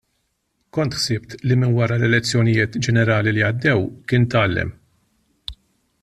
Kont ħsibt li minn wara l-elezzjonijiet ġenerali li għaddew kien tgħallem.